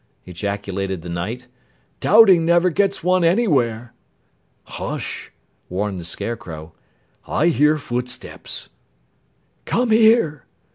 ejaculated the Knight. "Doubting never gets one anywhere." "Hush!" warned the Scarecrow. "I hear footsteps!" "Come here."